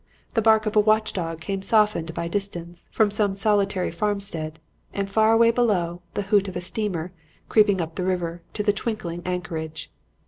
The bark of a watch dog came softened by distance from some solitary farmstead, and far away below, the hoot of a steamer, creeping up the river to the twinkling anchorage.